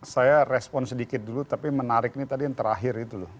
saya respon sedikit dulu tapi menarik ini tadi yang terakhir itu loh